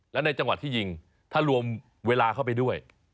แล้วในจังหวะที่ยิงถ้ารวมเวลาเข้าไปด้วย